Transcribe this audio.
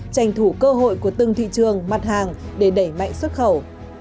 tranh thủ cơ hội của từng thị trường mặt hàng để đẩy mạnh xuất khẩu